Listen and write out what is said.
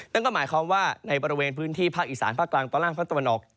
นั่นก็หมายความว่าในบริเวณพื้นที่ภาคอีสานภาคกลางตอนล่างภาคตะวันออก